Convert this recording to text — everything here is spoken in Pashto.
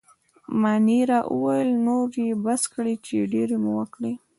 مانیرا وویل: نور يې بس کړئ، چې ډېرې مو وکړې.